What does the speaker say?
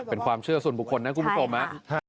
เป็นความเชื่อสุดบุคคลนะครับคุณปุ๊ปโกมะค่ะใช่ค่ะ